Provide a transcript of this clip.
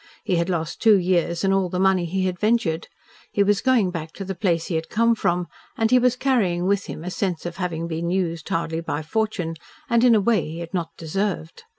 He had lost two years and all the money he had ventured. He was going back to the place he had come from, and he was carrying with him a sense of having been used hardly by fortune, and in a way he had not deserved.